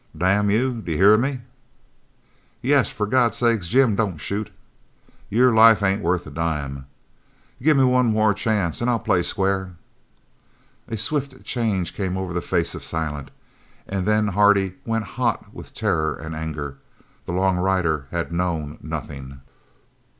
"Damn you, d'you hear me?" "Yes! For God's sake, Jim, don't shoot!" "Your life ain't worth a dime!" "Give me one more chance an' I'll play square!" A swift change came over the face of Silent, and then Hardy went hot with terror and anger. The long rider had known nothing.